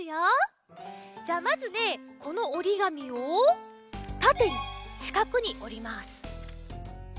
じゃあまずねこのおりがみをたてにしかくにおります。